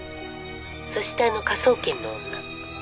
「そしてあの科捜研の女」